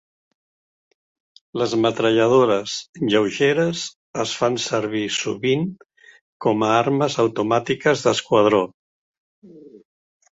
Les metralladores lleugeres es fan servir sovint com a armes automàtiques d'esquadró.